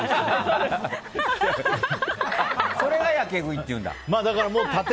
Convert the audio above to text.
あ、それがやけ食いって言うんだ。